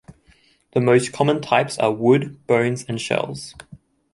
The most common types are wood, bones, and shells.